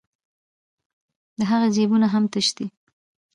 د هغې جېبونه هم تش دي